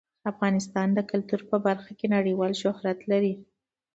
افغانستان د کلتور په برخه کې نړیوال شهرت لري.